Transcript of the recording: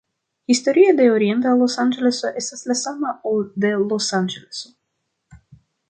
Historio de Orienta Losanĝeleso estas la sama, ol de Los Anĝeleso.